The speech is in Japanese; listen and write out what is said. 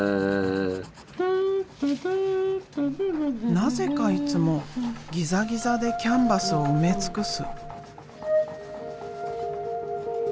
なぜかいつもギザギザでキャンバスを埋め尽くす。